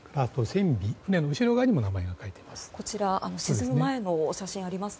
船尾、船の後ろ側にも名前が書いてあります。